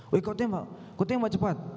wih kau telinga pak kau telinga pak cepat